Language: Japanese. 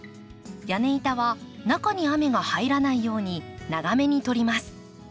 屋根板は中に雨が入らないように長めに取ります。